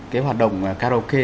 cái hoạt động karaoke